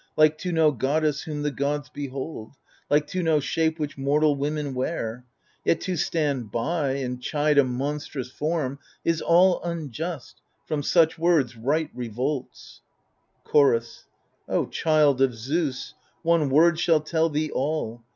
Like to no goddess whom the gods behold, Like to no shape which mortal women wear. Yet to stand by and chide a monstrous form Is all unjust — from such words Right revdts. Chorus O child of Zeus, one word shall tell thee all.